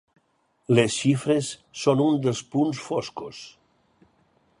Les xifres són un dels punts foscos.